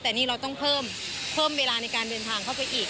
แต่นี่เราต้องเพิ่มเวลาในการเดินทางเข้าไปอีก